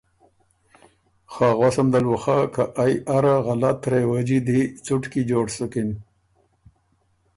خه غؤسم دل بُو خۀ، که ائ اره غلط رېوجي دی څټکی جوړ سُکِن